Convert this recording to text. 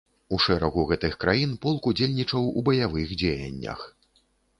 У шэрагу гэтых краін полк удзельнічаў у баявых дзеяннях.